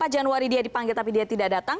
empat januari dia dipanggil tapi dia tidak datang